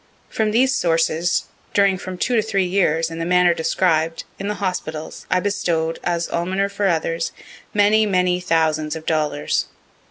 From these sources, during from two to three years, in the manner described, in the hospitals, I bestowed, as almoner for others, many, many thousands of dollars.